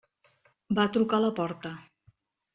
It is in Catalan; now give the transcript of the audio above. Va trucar a la porta.